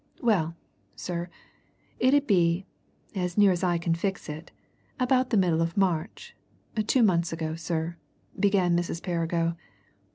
"Well, sir, it 'ud be, as near as I can fix it, about the middle of March two months ago, sir," began Mrs. Perrigo.